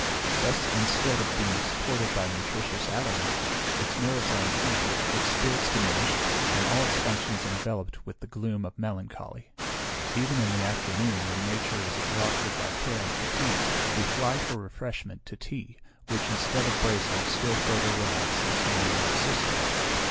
Thus, instead of being supported by nutritious aliment, its nerves are enfeebled, its spirits diminished, and all its functions enveloped with the gloom of melancholy. Even in the afternoon, when nature is exhausted by care and fatigue, we fly for refreshment to tea, which, instead of bracing, still further relaxes the unnerved system.